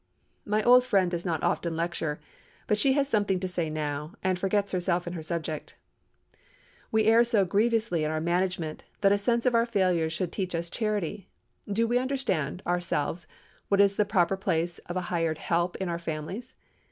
My old friend does not often lecture, but she has something to say now, and forgets herself in her subject. "We err so grievously in our management, that a sense of our failures should teach us charity. Do we understand, ourselves, what is the proper place of a hired 'help' in our families?